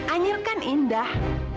anjir kan indah